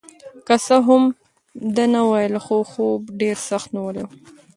که څه هم ده نه وویل خو خوب ډېر سخت نیولی و.